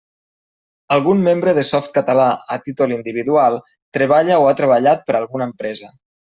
Algun membre de Softcatalà, a títol individual, treballa o ha treballat per a alguna empresa.